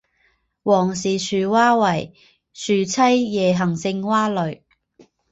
王氏树蛙为树栖夜行性蛙类。